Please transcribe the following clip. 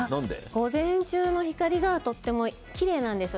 午前中の光がとてもきれいなんです。